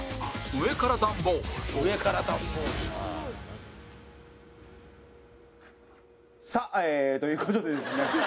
「上からダンボール」さあ！という事でですね